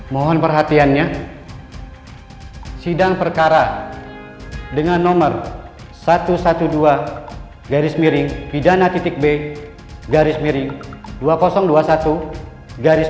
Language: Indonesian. mohon perhatiannya sidang perkara dengan nomor satu ratus dua belas garis miring pidana b garis miring dua ribu dua puluh satu